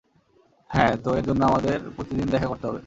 হ্যাঁ, তো এর জন্য আমাদের প্রতিদিন দেখা করতে হবে।